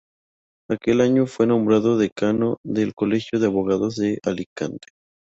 Aquel año fue nombrado decano del Colegio de Abogados de Alicante.